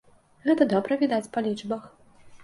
Гэта добра відаць па лічбах.